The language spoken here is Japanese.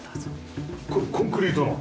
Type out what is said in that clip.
これコンクリートの？